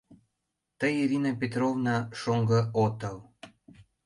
Тый, Ирина Петровна, шоҥго отыл...